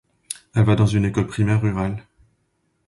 Elle va dans une école primaire rurale.